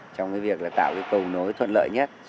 trong cái việc là tạo cái cầu nối thuận lợi nhất cho hành khách